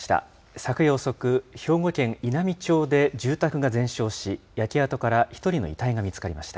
昨夜遅く、兵庫県稲美町で住宅が全焼し、焼け跡から１人の遺体が見つかりました。